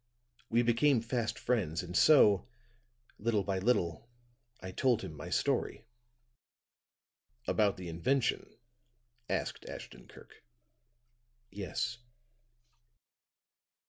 We became fast friends and so, little by little, I told him my story." "About the invention?" asked Ashton Kirk. "Yes."